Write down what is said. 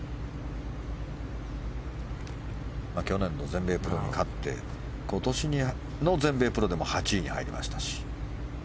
去年の全米プロも勝って今年の全米プロでも８位に入りましたし。